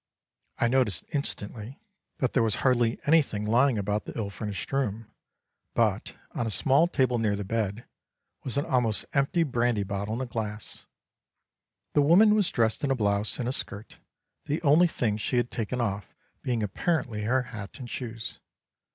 I noticed instantly that there was hardly anything lying about the ill furnished room, but, on a small table near the bed, was an almost empty brandy bottle and a glass. The woman was dressed in a blouse and skirt, the only things she had taken off being apparently her hat and shoes.